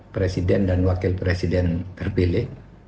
presiden dan wakil presiden terpilih